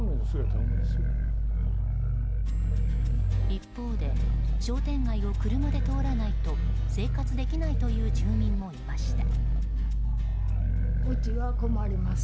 一方で商店街を車で通らないと生活できないという住民もいました。